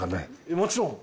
もちろん！